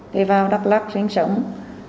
đi vào đắk lắc sinh sách